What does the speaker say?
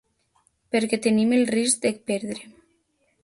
Perquè tenim el risc de perdre.